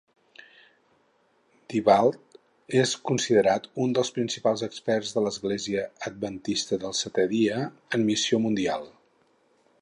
Dybdahl és considerat un dels principals experts de l'Església Adventista del Setè Dia en missió mundial.